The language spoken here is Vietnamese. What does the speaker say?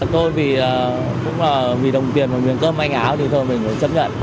tôi cũng là vì đồng tiền và miếng cơm anh áo thì thôi mình chấp nhận